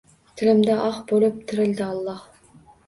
Tilimda “oh” bo‘lib tirildi Alloh!